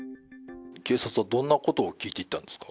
警察はどんなことを聞いていったんですか？